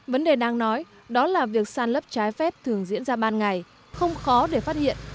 vấn đề đang nói đó là việc sàn lấp trái phép thường diễn ra ban ngày không khó để phát hiện